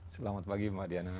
selamat pagi mbak diana